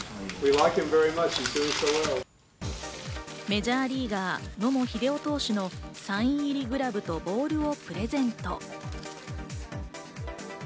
メジャーリーガー・野茂英雄投手のサイン入りグラブとボールをプレゼント。